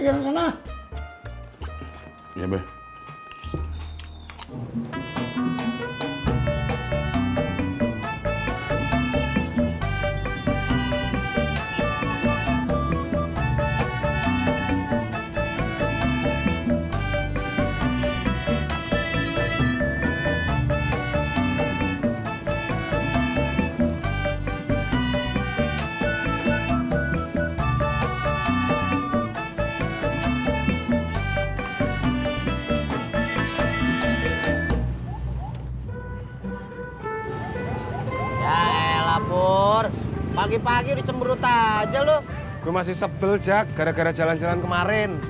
ya elah bur pagi pagi di cemberut aja lu gue masih sebel jaga gara gara jalan jalan kemarin